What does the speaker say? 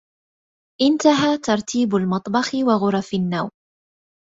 انتهى ترتيب المطبخ و غرف النّوم.